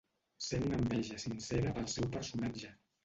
Sent una enveja sincera pel seu personatge.